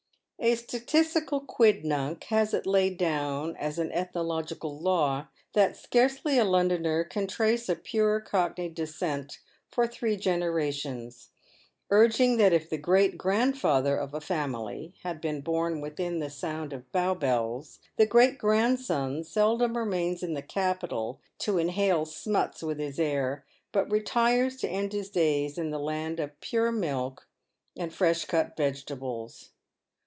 A statistical quidnunc has laid it down as an ethnological law, that scarcely a Londoner can trace a pure Cockney descent for three generations, urging that if the great grandfather of a family had been born within sound of Bow bells, the great grandson seldom remains in the capital to inhale smuts with his air, but retires to end his days in the land of pure milk and fresh cut vegetables.